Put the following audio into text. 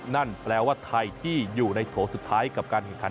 นั่นแปลว่าไทยที่อยู่ในโถสุดท้ายกับการแข่งขัน